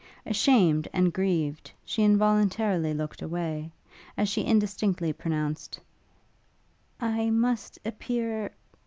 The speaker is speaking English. Ashamed and grieved, she involuntarily looked away, as she indistinctly pronounced, 'I must appear